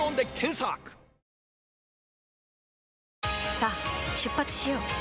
さあ出発しよう。